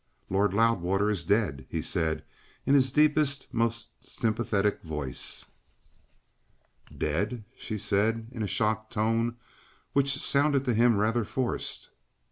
Lord Loudwater is dead," he said, in his deepest, most sympathetic voice. "Dead?" she said, in a shocked tone which sounded to him rather forced.